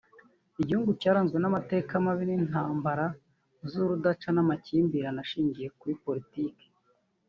igihugu cyaranzwe n’amateka mabi y’intamabara z’urudaca n’amakimbirane ashingiye kuri politiki